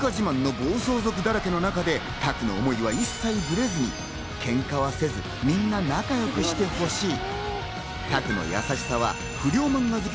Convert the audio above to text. ケンカ自慢の暴走族だらけの中で拓の思いは一切ブレずにケンカはせず、みんな仲良くしてほしい。